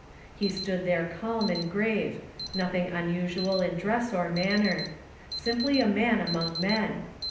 He stood there calm and grave, nothing unusual in dress or manner. Simply a man among men.